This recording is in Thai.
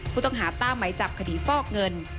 ผู้ต้องหาตามไหมจับคดีฟอกเงิน